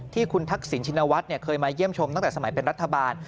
ที่คุณทักษิณชินวัฒน์เคยมาเยี่ยมชมตั้งแต่สมัยเป็นรัฐบาล